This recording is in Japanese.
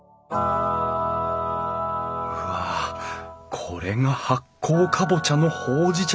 うわこれが発酵カボチャのほうじ茶